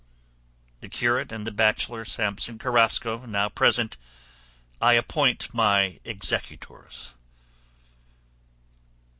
The curate and the bachelor Samson Carrasco, now present, I appoint my executors.